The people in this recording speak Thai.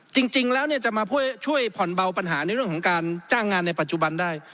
จริงแล้วจะมาช่วยผ่อนเบาปัญหาในเรื่องของการจ้างงานในปัจจุบันได้